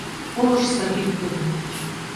Колыштса тӱткын!